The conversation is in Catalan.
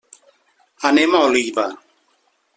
Anem a Oliva.